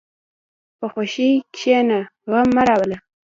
په خوښۍ کښېنه، غم مه راوله.